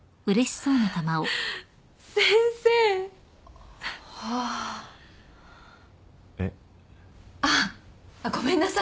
先生！はあ。えっ？あっごめんなさいね。